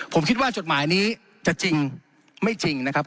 ผมคิดว่าจดหมายนี้จะจริงไม่จริงนะครับ